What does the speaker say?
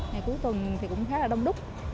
ngày cuối tuần thì cũng khá là đông đúc